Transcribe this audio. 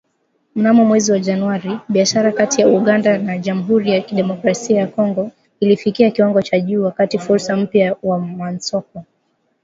Mnamo mwezi Januari, biashara kati ya Uganda na Jamhuri ya Kidemokrasia ya kongo ilifikia kiwango cha juu, wakati fursa mpya za masoko